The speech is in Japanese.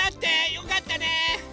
よかったね。